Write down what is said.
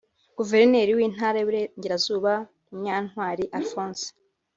Guverineri w’Intara y’Uburengerazuba Munyantwari Alphonse